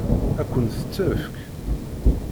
Ad kent-t-tefk?